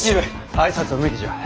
挨拶は抜きじゃ。